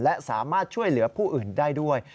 และสามารถช่วยเหลือผู้อื่นได้ด้วย